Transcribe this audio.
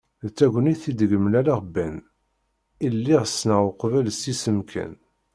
D tagnit ideg mlaleɣ Ben, i lliɣ ssneɣ uqbel s yisem kan.